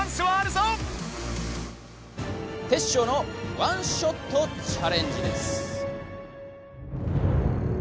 テッショウのワンショットチャレンジです。